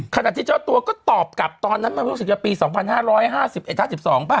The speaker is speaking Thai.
ขนาดที่เจ้าตัวก็ตอบกลับตอนนั้นปี๒๕๕๑๕๒ป่ะ